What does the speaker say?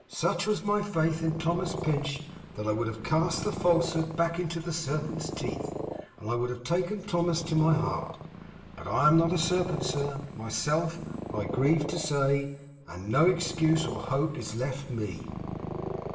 Such was my faith in Thomas Pinch, that I would have cast the falsehood back into the Serpent's teeth, and would have taken Thomas to my heart. But I am not a Serpent, sir, myself, I grieve to say, and no excuse or hope is left me.